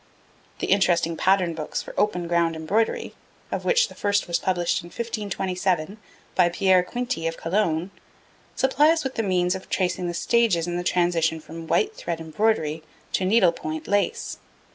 The interesting pattern books for open ground embroidery, of which the first was published in 1527 by Pierre Quinty, of Cologne, supply us with the means of tracing the stages in the transition from white thread embroidery to needle point lace.